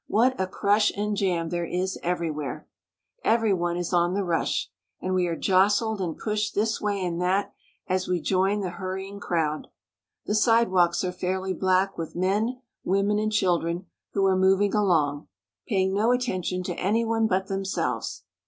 What a crush and jam there is everywhere ! Every one is on the rush, and we are jostled and pushed this way and that as we join the hurrying crowd. The sidewalks are fairly black with men, women, and children, who are moving along, paying no attention to any one but themselves.